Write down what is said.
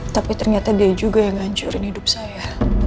tapi ternyata dia juga yang ngancurin hidup saya